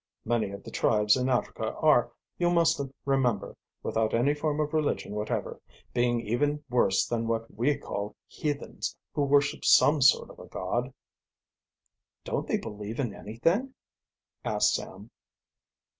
Many of the tribes in Africa are, you must remember, without any form of religion whatever, being even worse than what we call heathens, who worship some sort of a God." "Don't they believe in anything?" asked Sam.